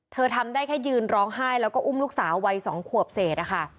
ทำได้แค่ยืนร้องไห้แล้วก็อุ้มลูกสาววัย๒ขวบเศษนะคะ